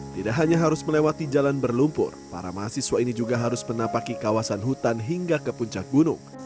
tidak hanya harus melewati jalan berlumpur para mahasiswa ini juga harus menapaki kawasan hutan hingga ke puncak gunung